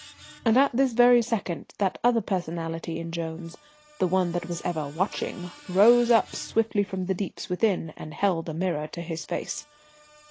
And at this very second that other personality in Jones the one that was ever watching rose up swiftly from the deeps within and held a mirror to his face.